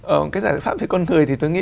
ờ cái giải pháp về con người thì tôi nghĩ là